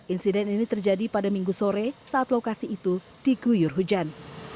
insiden ini terjadi pada minggu sore saat lokasi itu diguyur hujan